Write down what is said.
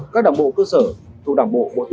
các đảng bộ cơ sở